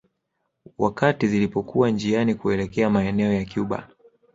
Wakati zilipokuwa njiani kuelekea maeneo ya Cuba